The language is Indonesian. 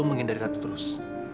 lu menghindari ratu terus